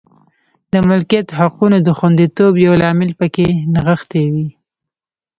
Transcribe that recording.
د ملکیت حقونو د خوندیتوب یو لامل په کې نغښتې وې.